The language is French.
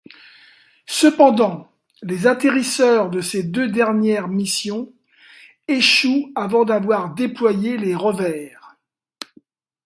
Cependant, les atterrisseurs de ces deux dernières missions échouent avant d'avoir déployé les rovers.